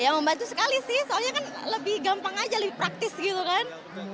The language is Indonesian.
ya membantu sekali sih soalnya kan lebih gampang aja lebih praktis gitu kan